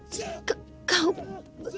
tapi kau color papfrage